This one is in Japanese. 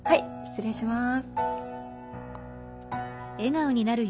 失礼します。